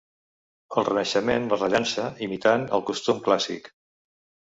El Renaixement les rellança, imitant el costum clàssic.